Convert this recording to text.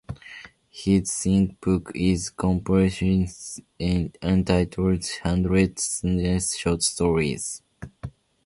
His third book is compilation entitled "Hundred Sindhi short stories".